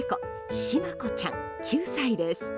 シマ子ちゃん、９歳です。